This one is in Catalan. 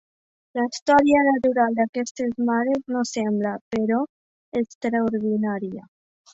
La història natural d’aquestes mares no sembla, però, extraordinària.